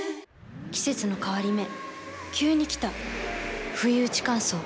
季節の変わり目急に来たふいうち乾燥。